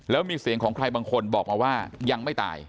แล้วมีเสียงของใครบางคนบอกมาว่ายังไม่ตาย